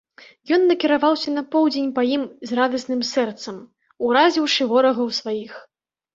Ён накіраваўся на поўдзень па ім з радасным сэрцам, уразіўшы ворагаў сваіх.